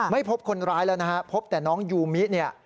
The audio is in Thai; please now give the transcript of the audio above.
ไม่พบคนร้ายแล้วนะฮะพบแต่น้องยูมิเนี่ย